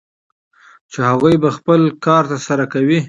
چې هغوی به خپل کار ترسره کوي